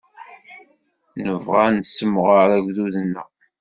Nebɣa ad nessemɣer agdud-nneɣ.